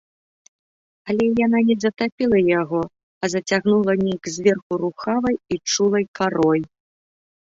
Але яна не затапіла яго, а зацягнула нейк зверху рухавай і чулай карой.